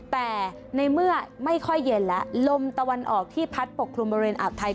แต่ในเมื่อไม่ค่อยเย็นแล้วลมตะวันออกที่พัดปกคลุมบริเวณอ่าวไทย